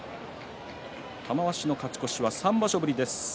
玉鷲の勝ち越しは３場所ぶりです。